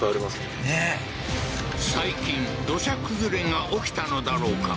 最近土砂崩れが起きたのだろうか？